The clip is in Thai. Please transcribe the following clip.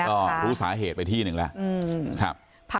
ก็รู้สาเหตุไปที่หนึ่งแล้ว